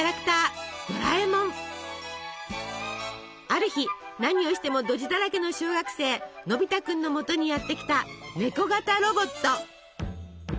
ある日何をしてもドジだらけの小学生のび太君のもとにやって来たネコ型ロボット。